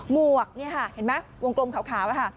วกนี่ค่ะเห็นไหมวงกลมขาวค่ะ